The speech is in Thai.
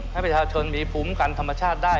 ให้ประชาชนมีภูมิกันธรรมชาติได้